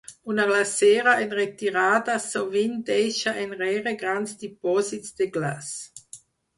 Una glacera en retirada sovint deixa enrere grans dipòsits de glaç.